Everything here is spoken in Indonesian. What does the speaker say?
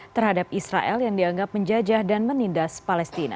terhadap israel yang dianggap menjajah dan menindas palestina